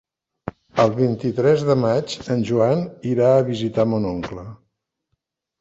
El vint-i-tres de maig en Joan irà a visitar mon oncle.